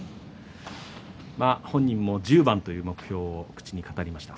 本人も１０番という目標を口に語りました。